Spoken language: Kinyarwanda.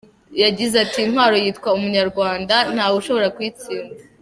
Yagize ati ”Intwaro yitwa Ubunyarwanda ntawe ushobora kuyitsinda.